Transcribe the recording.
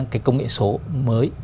cái công nghệ số mới